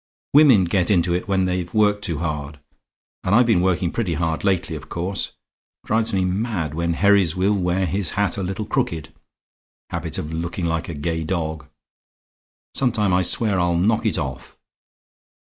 "Women get into it when they've worked too hard; and I've been working pretty hard lately, of course. It drives me mad when Herries will wear his hat a little crooked habit of looking like a gay dog. Sometime I swear I'll knock it off.